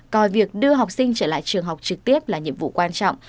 coi việc đưa học sinh trở lại trường học trực tiếp là nhiệm vụ quan trọng